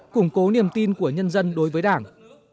củng cố niềm tin của nhân dân đối với đảng